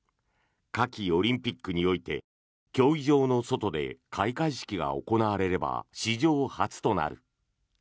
夏季オリンピックにおいて競技場の外で開会式が行われれば史上初となる。